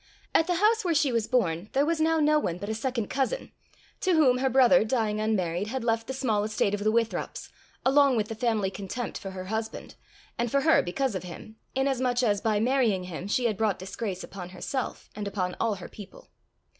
At the house where she was born, there was now no one but a second cousin, to whom her brother, dying unmarried, had left the small estate of the Withrops, along with the family contempt for her husband, and for her because of him, inasmuch as, by marrying him, she had brought disgrace upon herself, and upon all her people.